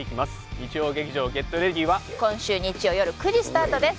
日曜劇場「ＧｅｔＲｅａｄｙ！」は今週日曜よる９時スタートです